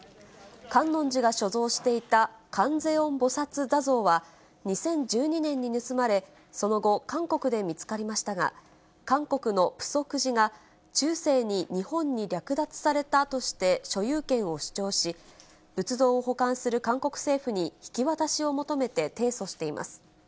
観音寺が所蔵していた観世音菩薩坐像は２０１２年に盗まれ、その後、韓国で見つかりましたが、韓国のプソク寺が、中世に日本に略奪されたとして、所有権を主張し、仏像を保管する韓国政府に引き渡しを求めて提訴しています。